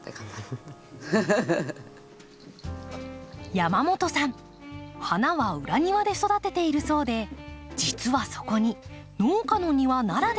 山本さん花は裏庭で育てているそうで実はそこに農家の庭ならではの秘密が。